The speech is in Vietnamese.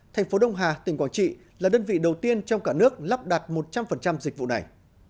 thành phố đông hà tỉnh quảng trị là đơn vị đầu tiên trong cả nước lắp đặt một trăm linh dịch vụ này